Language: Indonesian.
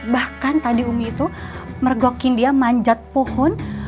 bahkan tadi umi itu mergokin dia manjat pohon